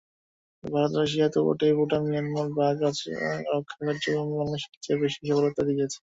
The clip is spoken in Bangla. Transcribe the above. ভারত-রাশিয়া তো বটেই, ভুটান-মিয়ানমারও বাঘ রক্ষা কার্যক্রমে বাংলাদেশের চেয়ে বেশি সফলতা দেখিয়েছে।